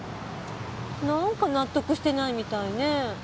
なんか納得してないみたいね。